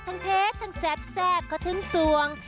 ทั้งเพชรทั้งแซ่บแซ่บก็ทั้งสวง